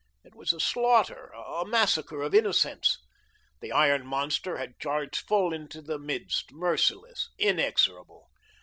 It was a slaughter, a massacre of innocents. The iron monster had charged full into the midst, merciless, inexorable.